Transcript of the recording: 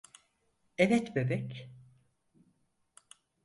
Evet bebek!